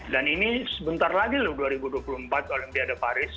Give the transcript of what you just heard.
dan ini sebentar lagi loh dua ribu dua puluh empat olimpiade paris